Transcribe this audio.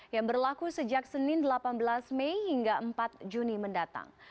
yang berlaku sejak senin delapan belas mei hingga empat juni mendatang